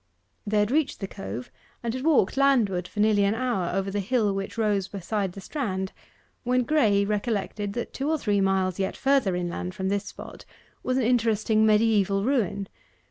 They had reached the Cove, and had walked landward for nearly an hour over the hill which rose beside the strand, when Graye recollected that two or three miles yet further inland from this spot was an interesting mediaeval ruin.